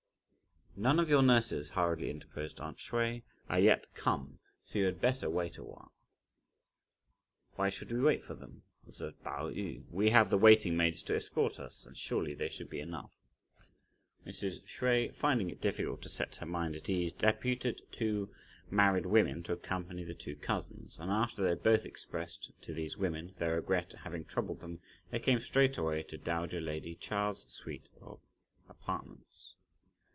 "None of your nurses," hurriedly interposed aunt Hsüeh, "are yet come, so you had better wait a while." "Why should we wait for them?" observed Pao yü. "We have the waiting maids to escort us, and surely they should be enough." Mrs. Hsüeh finding it difficult to set her mind at ease deputed two married women to accompany the two cousins; and after they had both expressed (to these women) their regret at having troubled them, they came straightway to dowager lady Chia's suite of apartments.